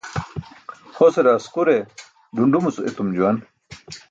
Hosare asqure ḍunḍumuc etum juwan.